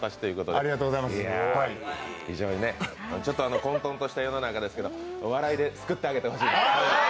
ちょっと混とんとした世の中ですけどお笑いですくってあげてほしいと。